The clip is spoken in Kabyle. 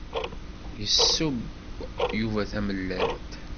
Yesseww Yuba tamellalt.